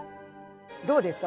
どうですか？